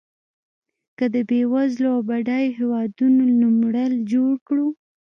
که د بېوزلو او بډایو هېوادونو نوملړ جوړ کړو.